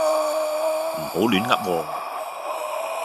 唔好亂噏喎